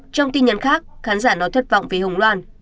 trong tin nhắn khác khán giả nói thất vọng về hồng loan